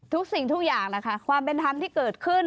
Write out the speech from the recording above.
ทุกสิ่งทุกอย่างแหละค่ะความเป็นธรรมที่เกิดขึ้น